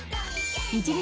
１日